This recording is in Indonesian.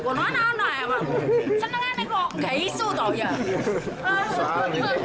seneng seneng kok gak isu tau ya